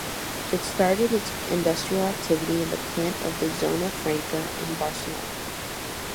It started its industrial activity in the plant of the Zona Franca in Barcelona.